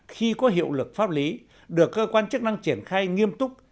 khi có hiệu lực pháp lý được cơ quan chức năng triển khai nghiêm túc